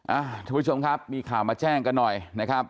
ท่านผู้ชมครับมีข่าวมาแจ้งกันหน่อยนะครับ